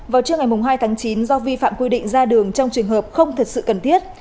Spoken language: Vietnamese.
vào trưa ngày hai tháng chín do vi phạm quy định ra đường trong trường hợp không thật sự cần thiết